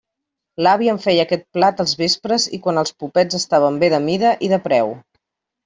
L'àvia em feia aquest plat als vespres i quan els popets estaven bé de mida i de preu.